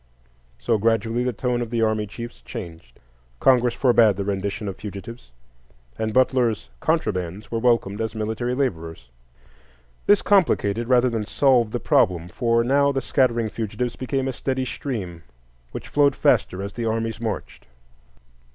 So gradually the tone of the army chiefs changed; Congress forbade the rendition of fugitives, and Butler's "contrabands" were welcomed as military laborers. This complicated rather than solved the problem, for now the scattering fugitives became a steady stream, which flowed faster as the armies marched.